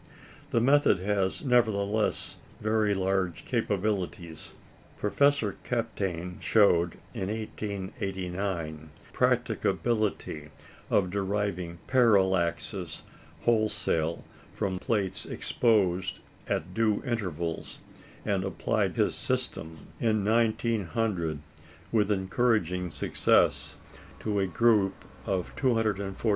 The method has, nevertheless, very large capabilities. Professor Kapteyn showed, in 1889, the practicability of deriving parallaxes wholesale from plates exposed at due intervals, and applied his system, in 1900, with encouraging success, to a group of 248 stars.